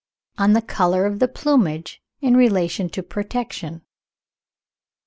ON THE COLOUR OF THE PLUMAGE IN RELATION TO PROTECTION.